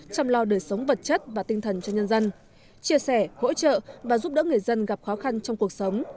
chăm lo đời sống vật chất và tinh thần cho nhân dân chia sẻ hỗ trợ và giúp đỡ người dân gặp khó khăn trong cuộc sống